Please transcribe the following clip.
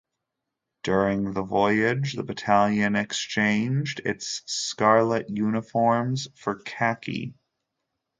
During the voyage the battalion exchanged its scarlet uniforms for Khaki.